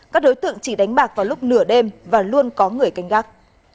các đối tượng chỉ đánh bạc vào lúc nửa đêm và luôn có người canh gác